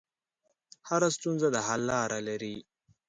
هره ستونزه د حل لاره لري.